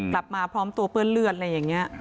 กลับมาพร้อมตัวเปื้อนเลือดอะไรอย่างนี้